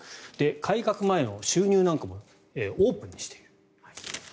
改革前の収入なんかもオープンにしている。